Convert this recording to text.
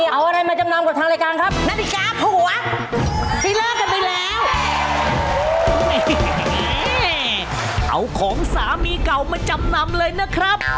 เอาของสามีเก่ามาจำนำเลยนะครับ